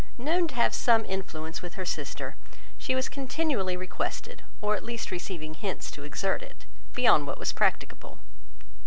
Known to have some influence with her sister, she was continually requested, or at least receiving hints to exert it, beyond what was practicable.